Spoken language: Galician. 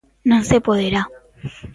Non se poderá.